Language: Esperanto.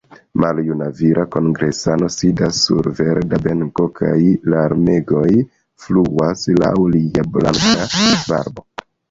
Maljuna vira kongresano sidas sur verda benko kaj larmegoj fluadas laŭ lia blanka barbo.